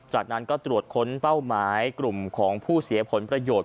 จากนั้นก็ตรวจค้นเป้าหมายกลุ่มของผู้เสียผลประโยชน์